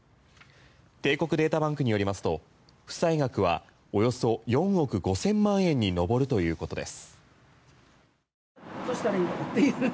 帝国データバンクによりますと負債額はおよそ４億５０００万円に上るということです。